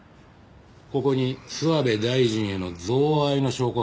ここに諏訪部大臣への贈賄の証拠が残ってます。